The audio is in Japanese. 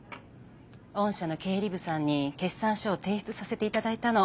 御社の経理部さんに決算書を提出させて頂いたの。